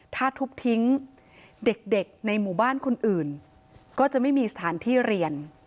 ถ้าทุบทิ้งเด็กในหมู่บ้านคนอื่นก็จะไม่มีสถานที่เรียน